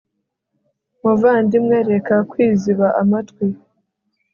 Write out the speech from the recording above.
muvandimwe, reka kwiziba amatwi